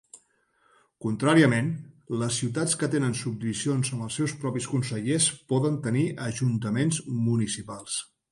Contràriament, les ciutats que tenen subdivisions amb els seus propis consellers poden tenir ajuntaments municipals.